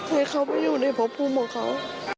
ให้เขาไปอยู่ในพบภูมิของเขา